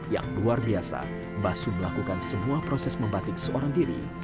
yang luar biasa basum melakukan semua proses membatik seorang diri